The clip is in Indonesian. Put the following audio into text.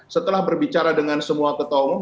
setelah berbicara dengan semua ketua umum